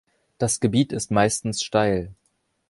Das Gebiet ist meistens steil.